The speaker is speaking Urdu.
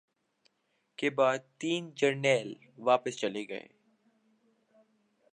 کے بعد تین جرنیل واپس چلے گئے